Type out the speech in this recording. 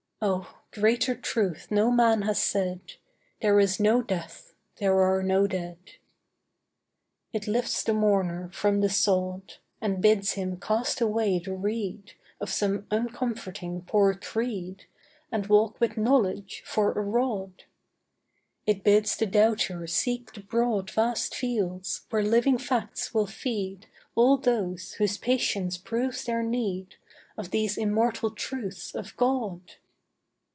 Oh, greater truth no man has said, 'There is no death, there are no dead.' It lifts the mourner from the sod, And bids him cast away the reed Of some uncomforting poor creed, And walk with Knowledge for a rod. It bids the doubter seek the broad Vast fields, where living facts will feed All those whose patience proves their need Of these immortal truths of God.